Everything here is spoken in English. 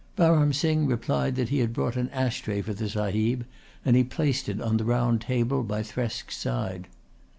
Baram Singh replied that he had brought an ash tray for the Sahib, and he placed it on the round table by Thresk's side.